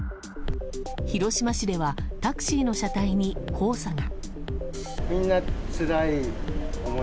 広島市ではタクシーの車体に黄砂が。